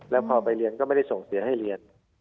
แล้วพอไปเรียนก็ไม่ได้ส่งเสียให้เรียน